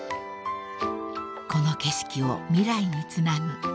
［この景色を未来につなぐ］